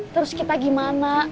terus kita gimana